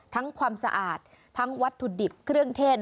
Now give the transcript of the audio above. ความสะอาดทั้งวัตถุดิบเครื่องเทศ